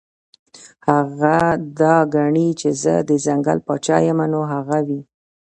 هغه دا ګڼي چې زۀ د ځنګل باچا يمه نو هغه وي -